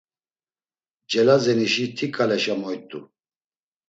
Celazenişi ti ǩaleşa moyt̆u.